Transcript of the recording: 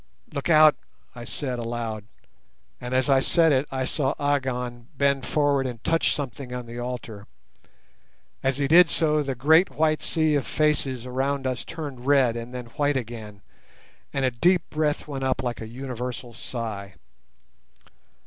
"Look out," I said, aloud; and as I said it, I saw Agon bend forward and touch something on the altar. As he did so, the great white sea of faces around us turned red and then white again, and a deep breath went up like a universal sigh.